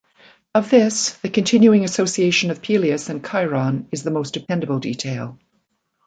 Of this, the continuing association of Peleus and Chiron is the most dependable detail.